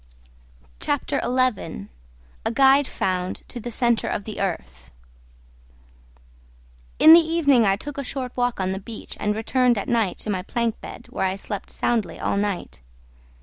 CHAPTER XI. A GUIDE FOUND TO THE CENTRE OF THE EARTH In the evening I took a short walk on the beach and returned at night to my plank bed, where I slept soundly all night.